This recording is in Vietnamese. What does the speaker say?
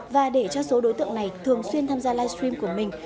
và để cho số đối tượng này thường xuyên tham gia livestream của mình